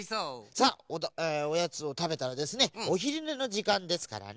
さあおやつをたべたらですねおひるねのじかんですからね。